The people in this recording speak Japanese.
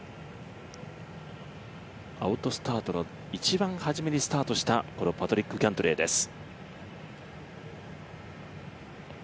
アウトスタートの一番初めにスタートしたパトリック・キャントレーです。